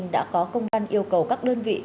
đã có công văn yêu cầu các đơn vị